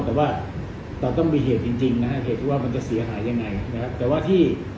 แต่ต้องมีเหตุจริงตอบว่าการเสียหายยังไง